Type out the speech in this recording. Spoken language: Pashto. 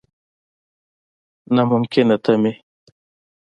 نا ممکنه تمې.